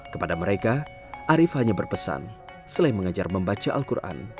kepada mereka arief hanya berpesan selain mengajar membaca al quran